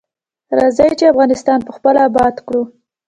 راځی چی افغانستان پخپله اباد کړو.